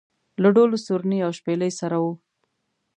له ډول و سورني او شپېلۍ سره و.